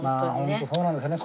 ホントそうなんですよね。